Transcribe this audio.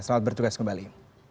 selamat bertugas kembali